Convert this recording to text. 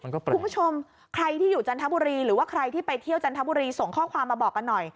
คุณผู้ชมใครที่อยู่จันทบุรีหรือว่าใครที่ไปเที่ยวจันทบุรีส่งข้อความมาบอกกันหน่อย